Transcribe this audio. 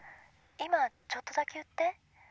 今ちょっとだけ言って。